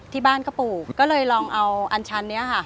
ที่บ้านก็ปลูกก็เลยลองเอาอันชันนี้ค่ะ